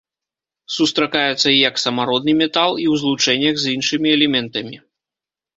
Сустракаецца і як самародны метал, і ў злучэннях з іншымі элементамі.